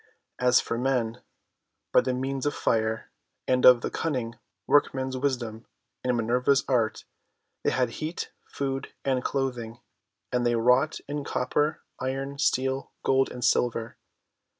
As for men, by the means of Fire, and of the cunning workman's wisdom and Minerva's art, they had heat, food, and clothing; and they wrought in copper, iron, steel, gold, and silver.